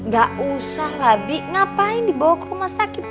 gak usah lah bi ngapain dibawa ke rumah sakit